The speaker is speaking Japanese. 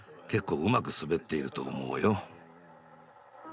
結構うまく滑っていると思うよ。